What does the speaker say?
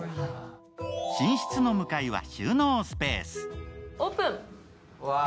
寝室の向かいは収納スペース。